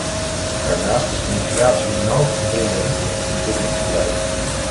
Daarnaast is immigratie nauw verbonden met het ontwikkelingsbeleid.